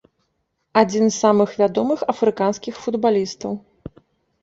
Адзін з самых вядомых афрыканскіх футбалістаў.